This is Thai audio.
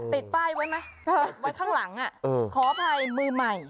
ติดป้ายไว้ไหมไว้ข้างหลังขออภัยมือใหม่